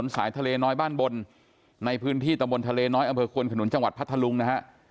สายทะเลน้อยบ้านบนในพื้นที่ตะบนทะเลน้อยอำเภอควนขนุนจังหวัดพัทธลุงนะฮะ